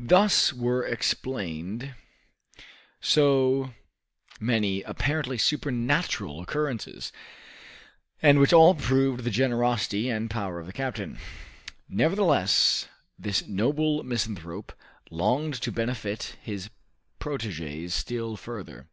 Thus were explained so many apparently supernatural occurrences, and which all proved the generosity and power of the captain. Nevertheless, this noble misanthrope longed to benefit his proteges still further.